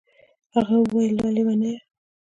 هغه وويل وه ليونيه.